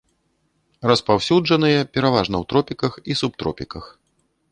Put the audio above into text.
Распаўсюджаныя пераважна ў тропіках і субтропіках.